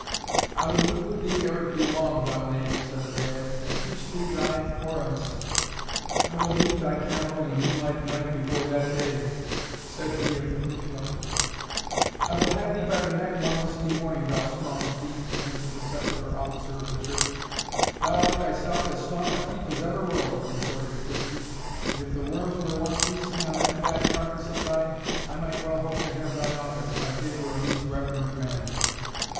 "I will meet with thee ere it be long, thou knave," said the bailie, "and teach thee thine Oremus." "I will meet thy cattle in a moonlight night before that day," said he of the Clinthill. "I will have thee by the neck one misty morning, thou strong thief," answered the secular officer of the Church. "Thou art thyself as strong a thief as ever rode," retorted Christie; "and if the worms were once feasting on that fat carcass of thine I might well hope to have thine office, by favour of these reverend men."